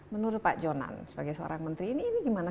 menurut pak jonan sebagai seorang menteri ini gimana